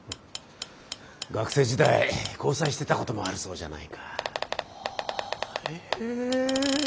学生時代交際してたこともあるそうじゃないか。